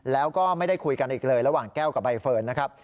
แล้วก็ไม่ได้คุยกันอีกเลยระหว่างแก้วกับใบเฟิร์นนะครับ